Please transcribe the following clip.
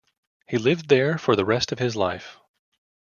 He lived there for the rest of his life.